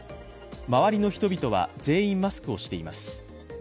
周りの人々は全員マスクをしています。